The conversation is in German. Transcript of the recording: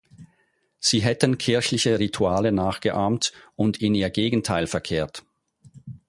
Sie hätten kirchliche Rituale nachgeahmt und in ihr Gegenteil verkehrt.